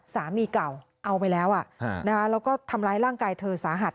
สามีเก่าเอาไปแล้วแล้วก็ทำร้ายร่างกายเธอสาหัส